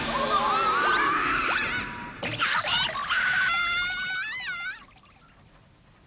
しゃべった！